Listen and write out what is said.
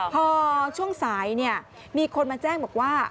พอช่วงสายมีคนมาแจ้งบอกว่า